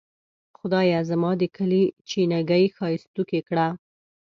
خدایه زما د کلي چینه ګۍ ښائستوکې کړه.